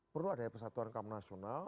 perlu ada persatuan kam nasional